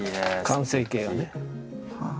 完成形がね。